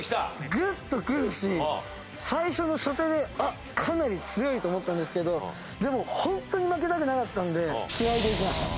グッとくるし最初の初手でかなり強いと思ったんですけどでもホントに負けたくなかったんで気合で。